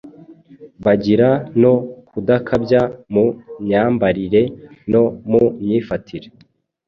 bagira no kudakabya mu myambarire no mu myifatire.